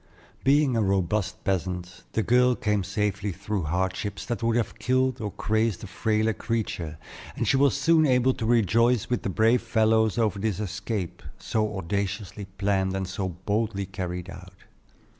Being a robust peasant, the girl came safely through hardships that would have killed or crazed a frailer creature; and she was soon able to rejoice with the brave fellows over this escape, so audaciously planned and so boldly carried out.